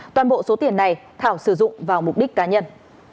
toàn bộ số tiền này thảo sử dụng vào mục đích cá nhân